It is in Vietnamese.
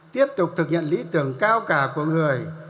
tiếp tục thực hiện lý tưởng cao cả của người